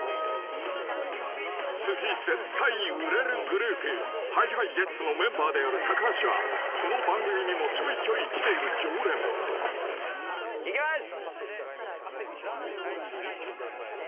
［次絶対売れるグループＨｉＨｉＪｅｔｓのメンバーである橋はこの番組にもちょいちょい来ている常連］いきます。